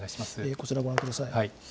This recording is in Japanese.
こちら、ご覧ください。